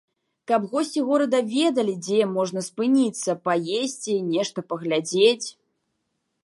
Каб госці горада ведалі, дзе можна спыніцца, паесці, нешта паглядзець.